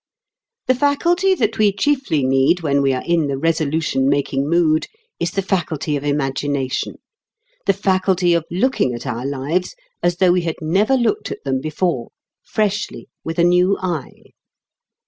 The faculty that we chiefly need when we are in the resolution making mood is the faculty of imagination, the faculty of looking at our lives as though we had never looked at them before freshly, with a new eye.